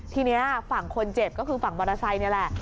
ทีนี้ฝั่งคนเจ็บก็คือฝั่งมอเตอร์ไซค์นี่แหละ